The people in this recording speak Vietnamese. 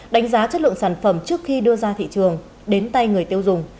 đánh giá chất lượng sản phẩm trước khi đưa ra thị trường đến tay người tiêu dùng